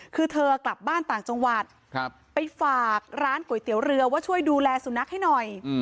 คือเธอกลับบ้านต่างจังหวัดไปฝากร้านก๋วยเตี๋ยวเรือว่าช่วยดูแลสุนัขให้หน่อย